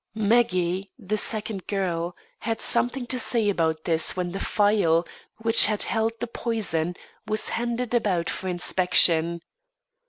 Maggie, the second girl, had something to say about this when the phial which had held the poison was handed about for inspection.